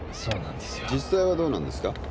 実際はどうなんですか？